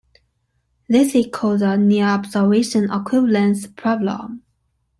This is called the "near observation equivalence" problem.